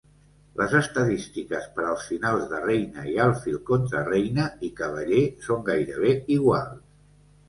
Les estadístiques per als finals de reina i alfil contra reina i cavaller són gairebé iguals.